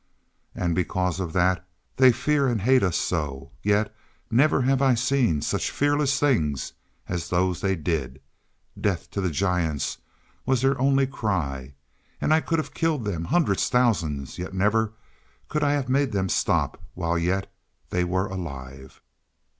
And because of that they fear and hate us so; yet never have I seen such fearless things as those they did. Death to the giants was their only cry. And I could have killed them hundreds, thousands yet never could I have made them stop while yet they were alive.